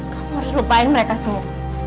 kamu harus lupain mereka semua